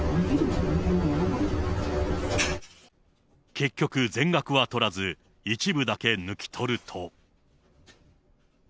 結局、全額はとらず、一部だけ抜き取ると。